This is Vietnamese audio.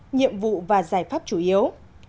ba nhiệm vụ và giải pháp chủ yếu